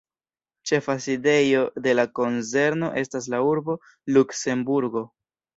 Ĉefa sidejo de la konzerno estas la urbo Luksemburgo.